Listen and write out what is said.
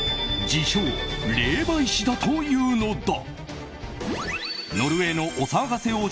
自称霊媒師だというのだ。